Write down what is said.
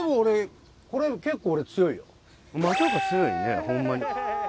松岡強いよねホンマに。